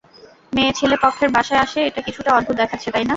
মেয়ে ছেলে পক্ষের বাসায় আসে এটা কিছুটা অদ্ভুত দেখাচ্ছে, তাইনা?